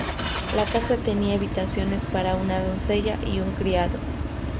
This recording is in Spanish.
La casa tenía habitaciones para una doncella y un criado.